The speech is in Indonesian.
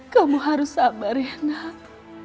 kamu harus sabar ya nak